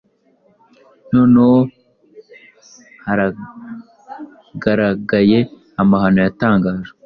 Noneho haragaragaye amahano yatangajwe